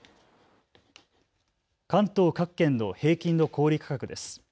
関東各県の平均の小売価格です。